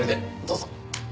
どうぞ。